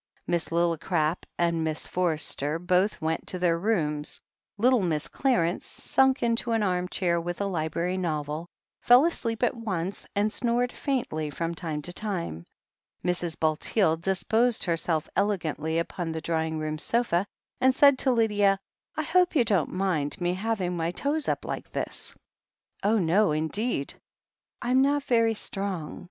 Miss Lillicrap and Miss Forster both went to their rooms, little Mrs. Clarence, sunk into an arm chair with a library novel, fell asleep at once, and snored faintly from time to time; Mrs. Bulteel disposed her self elegantly upon the drawing room sofa, and said to Lydia : "I hope you don't mind me having my toes up like this?" "Oh, no, indeed." "I'm not very strong.